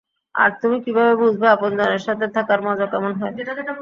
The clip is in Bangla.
আর তুমি কিভাবে বুঝবে আপনজনের সাথে থাকার মজা কেমন হয়?